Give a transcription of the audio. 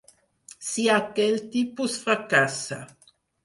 Si aquell tipus fracassa.